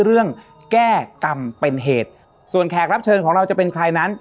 เรื่องแก้กรรมเป็นเหตุส่วนแขกรับเชิญของเราจะเป็นใครนั้น